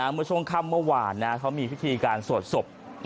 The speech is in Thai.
เมื่อช่วงค่ำเมื่อวานเขามีพิธีการสวดศพ